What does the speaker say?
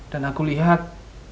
dan aku lihat